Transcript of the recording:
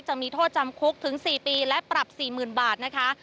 จะมีโทษจำคุกถึง๔ปีและปรับ๔๐๐๐บาทนะคะ